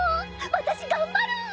私頑張る！